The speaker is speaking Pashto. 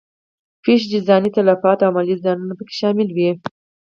پېښې چې ځاني تلفات او مالي زیانونه په کې شامل وي.